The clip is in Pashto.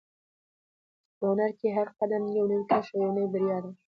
په هنر کې هر قدم یو نوی کشف او یوه نوې بریا ده.